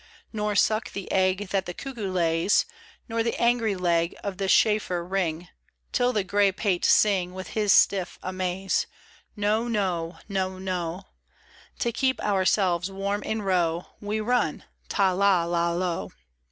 Nor suck the egg That the cuckoo lays, Nor the angry leg Of the chafer wring Till the gray pate sing With his stiff amaze : No, no, no, no 1 To keep ourselves warm in row We run — ta, la, la, lo